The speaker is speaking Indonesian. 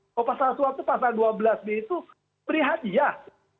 kalau pasal suap itu pasal dua belas b itu beri hadiah